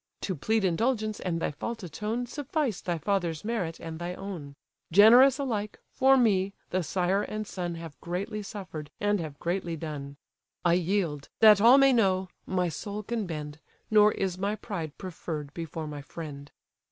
To plead indulgence, and thy fault atone, Suffice thy father's merit and thy own: Generous alike, for me, the sire and son Have greatly suffer'd, and have greatly done. I yield; that all may know, my soul can bend, Nor is my pride preferr'd before my friend."